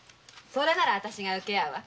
それなら私が請け合うわ。